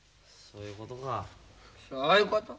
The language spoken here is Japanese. そういうこと。